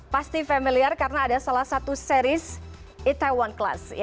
pasti familiar karena ada salah satu series itaewon class